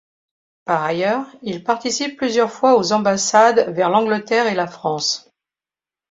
Par ailleurs, il participe plusieurs fois aux ambassades vers l'Angleterre et la France.